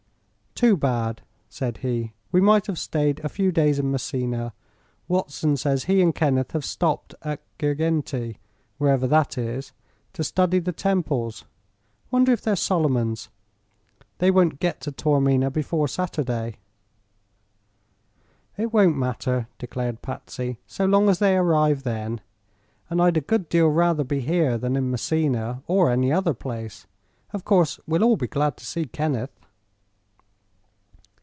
"Too bad," said he. "We might have stayed a few days in Messina. Watson says he and Kenneth have stopped at Girgenti wherever that is to study the temples. Wonder if they're Solomon's? They won't get to Taormina before Saturday." "It won't matter," declared Patsy, "so long as they arrive then. And I'd a good deal rather be here than in Messina, or any other place. Of course we'll all be glad to see Kenneth."